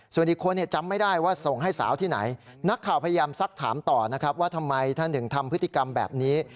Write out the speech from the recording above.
ส่วนอีกคนจำไม่ได้ว่าส่งให้สาวที่ไหนนักข่าวพยายามซักถามต่อนะครับว่าทำไมท่านถึงทำพฤติกรรมแบบนี้